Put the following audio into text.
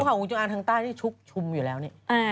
มันข่าวหมูจรังอับทางใต้ที่ชุบฉุมอยู่แล้วน้น